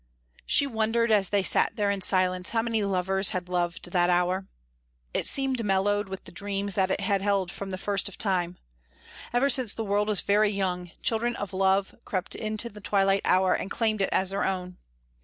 She wondered, as they sat there in silence, how many lovers had loved that hour. It seemed mellowed with the dreams it had held from the first of time. Ever since the world was very young, children of love had crept into the twilight hour and claimed it as their own.